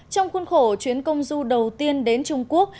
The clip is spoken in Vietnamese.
trong khuôn khổ chuyến công du đầu tiên đến trung quốc